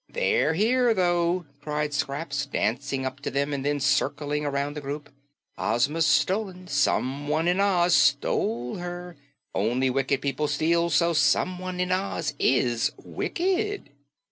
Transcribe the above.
"They're here, though," cried Scraps, dancing up to them and then circling around the group. "Ozma's stolen; someone in Oz stole her; only wicked people steal; so someone in Oz is wicked!"